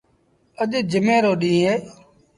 اَڄ جمي رو ڏيٚݩهݩ اهي۔